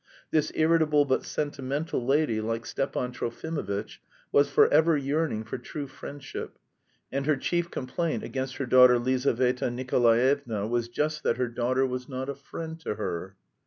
This irritable but sentimental lady, like Stepan Trofimovitch, was forever yearning for true friendship, and her chief complaint against her daughter Lizaveta Nikolaevna was just that "her daughter was not a friend to her."